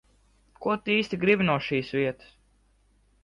Ko tu īsti gribi no šīs vietas?